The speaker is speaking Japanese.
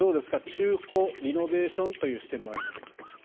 中古、リノベーションという視点もあります。